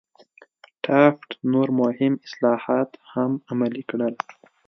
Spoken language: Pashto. ټافت نور مهم اصلاحات هم عملي کړل.